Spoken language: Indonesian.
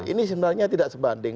ini sebenarnya tidak sebanding